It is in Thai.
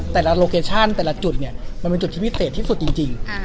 โลเคชั่นแต่ละจุดเนี่ยมันเป็นจุดที่พิเศษที่สุดจริง